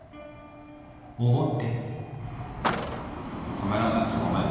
泊めらんなくてごめん。